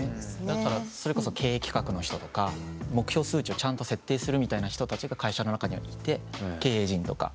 だからそれこそ経営企画の人とか目標数値をちゃんと設定するみたいな人たちが会社の中にはいて経営陣とか。